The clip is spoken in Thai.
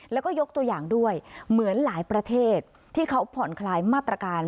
แล้วก็ยกตัวอย่างด้วยเหมือนหลายประเทศที่เขาผ่อนคลายมาตรการ